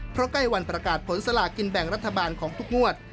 เพราะใกล้วันประกาศผลสลากินแบ่งรัฐบาลของทุกงวด